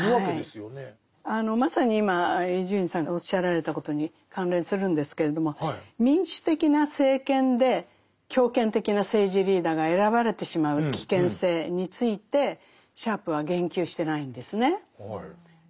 まさに今伊集院さんがおっしゃられたことに関連するんですけれども民主的な政権で強権的な政治リーダーが選ばれてしまう危険性についてシャープは言及してないんですね。